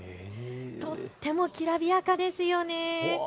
とってもきらびやかですよね。